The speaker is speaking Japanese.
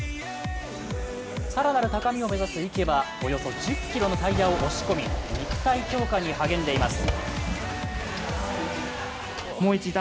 更なる高みを目指す池はおよそ１０キロのタイヤを押し込み肉体強化に励んでいます。